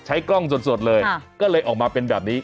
กล้องสดเลยก็เลยออกมาเป็นแบบนี้